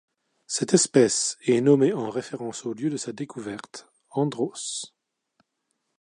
Cette espèce est nommée en référence au lieu de sa découverte, Andros.